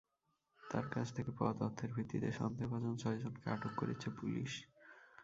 তাঁর কাছ থেকে পাওয়া তথ্যের ভিত্তিতে সন্দেহভাজন ছয়জনকে আটক করেছে পুলিশ।